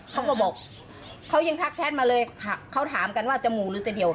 เขาก็บอกเขายังทักแชทมาเลยเขาถามกันว่าจมูกหรือจะเดี่ยว